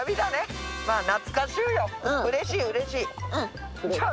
うれしいうれしいじゃあ。